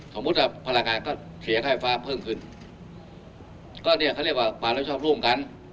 ถมครับภาระการที่เกษี่ยแค่ไฟฟ้าเพิ่มขึ้นก็เนี้ยเขาเรียกว่าความรับผิดชอบร่วมกัน